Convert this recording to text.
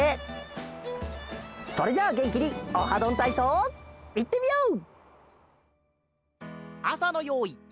それじゃあげんきに「オハどんたいそう」いってみよう！